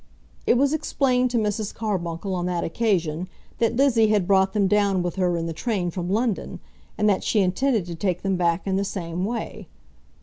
It was explained to Mrs. Carbuncle on that occasion that Lizzie had brought them down with her in the train from London, and that she intended to take them back in the same way.